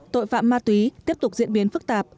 tội phạm ma túy tiếp tục diễn biến phức tạp